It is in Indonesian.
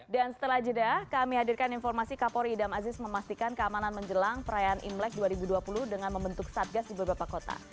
dan setelah jeda kami hadirkan informasi kapolri idam aziz memastikan keamanan menjelang perayaan imlek dua ribu dua puluh dengan membentuk satgas di beberapa kota